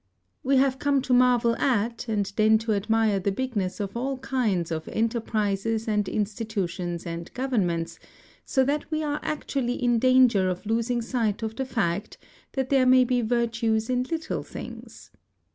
We have come to marvel at and then to admire the bigness of all kinds of enterprises and institutions and governments, so that we are actually in danger of losing sight of the fact that there may be virtues in little things.